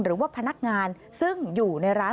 หรือว่าพนักงานซึ่งอยู่ในร้าน